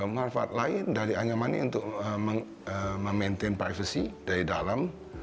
manfaat lain dari anyaman ini untuk memaintain privacy dari dalam